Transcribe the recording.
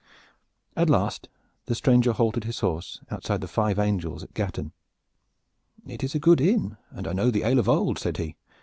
At last the stranger halted his horse outside the "Five Angels" at Gatton. "It is a good inn, and I know the ale of old," said he.